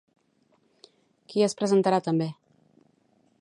Qui es presentarà també?